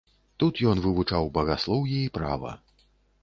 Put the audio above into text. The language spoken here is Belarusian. Тут ён вывучаў багаслоўе і права.